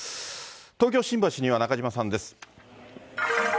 東京・新橋には中島さんです。